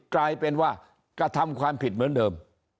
กลายเป็นว่ากระทำความผิดเหมือนเดิม